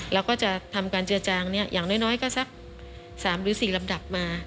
เราก็จะทำการเจือจางอย่างน้อยก็สัก๓หรือ๔ลำดับมา